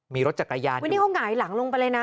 มีรถจักรยานนี่เขาหงายหลังลงไปเลยนะ